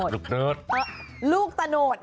ลูกโนทลูกโนท